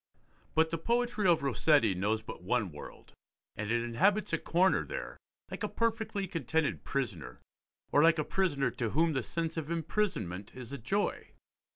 But the poetry of Rossetti knows but one world, and it inhabits a corner there, like a perfectly contented prisoner, or like a prisoner to whom the sense of imprisonment is a joy.